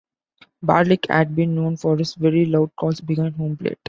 Barlick had been known for his very loud calls behind home plate.